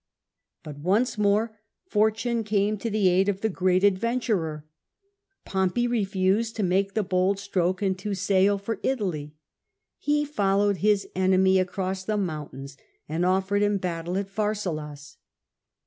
But once more fortune came to the aid of the great adventurer. Pompey refused to make the bold stroke and to sail for Italy ; he followed his enemy across the mountains and offered him battle at Pharsalus.